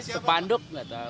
sepanduk nggak tahu